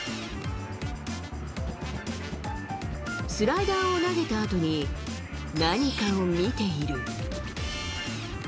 スライダーを投げたあとに、何かを見ている。